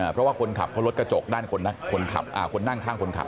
เพราะว่าคนขับเขาลดกระจกด้านคนขับคนนั่งข้างคนขับ